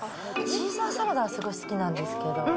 シーザーサラダはすごい好きなんですけど。